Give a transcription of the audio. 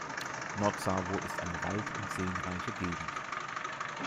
Nordsavo ist eine wald- und seenreiche Gegend.